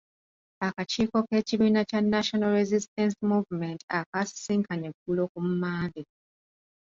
Akakiiko k’ekibiina kya National Resistance Movement akaasisinkanye eggulo ku Mmande.